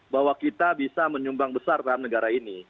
bahwa kita bisa menyumbang besar terhadap negara ini